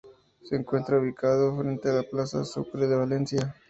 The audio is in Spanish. Se encuentra ubicado frente a la Plaza Sucre de Valencia.